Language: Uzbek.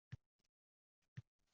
Qarasam ancha bekat oʻtib ketibman.